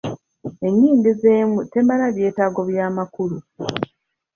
Enyingiza emu temala byeetago by'amakulu.